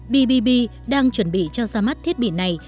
bbb đang chuẩn bị cho ra mắt thiết bị này